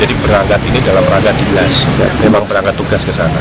jadi perangkat ini dalam perangkat di belas memang perangkat tugas ke sana